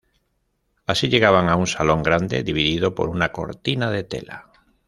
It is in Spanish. Así llegaban a un salón grande dividido por una cortina de tela.